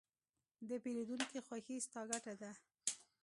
د پیرودونکي خوښي، ستا ګټه ده.